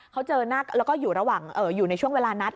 เขาเจอนักแล้วก็อยู่ระหว่างอยู่ในช่วงเวลานัด